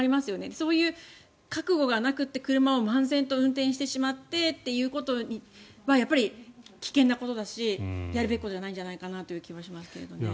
そういう覚悟がなくて車を漫然と運転してしまってというのはやっぱり、危険なことだしやるべきことじゃないんじゃないかという気がしますけどね。